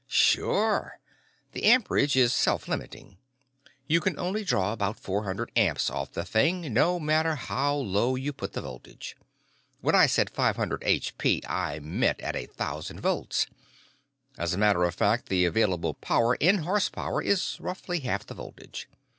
"Sure. The amperage is self limiting. You can only draw about four hundred amps off the thing, no matter how low you put the voltage. When I said five hundred HP, I meant at a thousand volts. As a matter of fact, the available power in horsepower is roughly half the voltage.